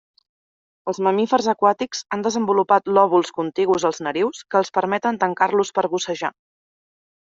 Els mamífers aquàtics han desenvolupat lòbuls contigus als narius, que els permeten tancar-los per bussejar.